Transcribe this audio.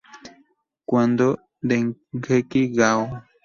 Cuando "Dengeki Gao!